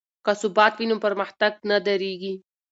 که ثبات وي نو پرمختګ نه دریږي.